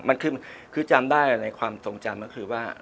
มันคือจำได้ในความทรงจำก็คือว่า